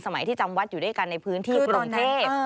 ที่จำวัดอยู่ด้วยกันในพื้นที่กรุงเทพ